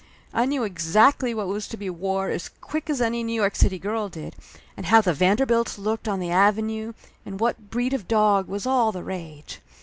I knew exactly what was to be wore as quick as any New York City girl did, and how the Vanderbilts looked on the Ave nue, and what breed of dog was all the rage.